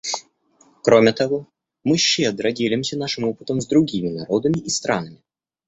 Кроме того, мы щедро делимся нашим опытом с другими народами и странами.